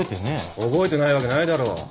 覚えてないわけないだろ。